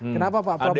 kenapa pak prabowo